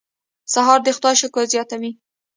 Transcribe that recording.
سهار د خدای شکر زیاتوي.